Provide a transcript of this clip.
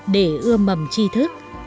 để ưa mầm chi thức